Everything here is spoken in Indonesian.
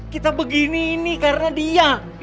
kita begini ini karena dia